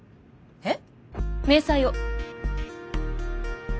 えっ？